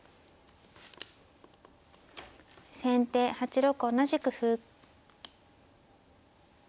先手８六同じく歩。